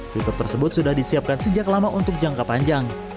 fitur tersebut sudah disiapkan sejak lama untuk jangka panjang